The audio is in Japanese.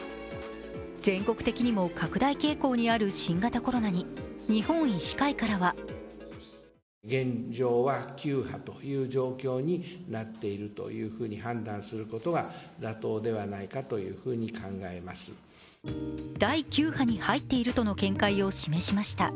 全国的にも拡大傾向にある新型コロナに日本医師会からは第９波に入っているとの見解を示しました。